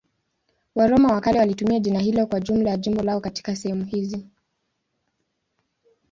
Waroma wa kale walitumia jina hilo kwa jumla ya jimbo lao katika sehemu hizi.